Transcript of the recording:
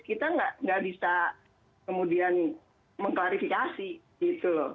kita nggak bisa kemudian mengklarifikasi gitu loh